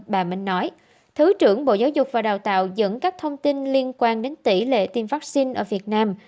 bà minh nói thứ trưởng bộ giáo dục và đào tạo dẫn các thông tin liên quan đến tỷ lệ tiêm vaccine ở việt nam